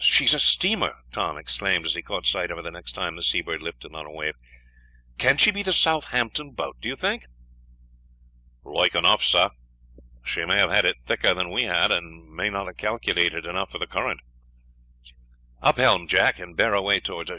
she is a steamer," Tom exclaimed, as he caught sight of her the next time the Seabird lifted on a wave. "Can she be the Southampton boat, do you think?" "Like enough, sir, she may have had it thicker than we had, and may not have calculated enough for the current." "Up helm, Jack, and bear away towards her.